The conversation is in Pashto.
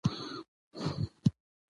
جبار : دې ټولو مشرانو په اجازه!